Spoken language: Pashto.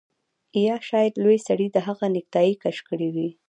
یا شاید لوی سړي د هغه نیکټايي کش کړې وي